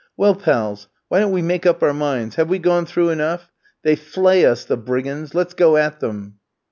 "Well, pals, why don't we make up our minds? Have we gone through enough? They flay us, the brigands! Let's go at them."